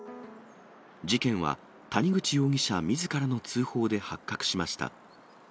事件は谷口容疑者みずからの通報で発覚しました。